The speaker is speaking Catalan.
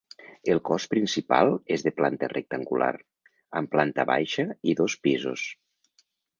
El cos principal és de planta rectangular, amb planta baixa i dos pisos.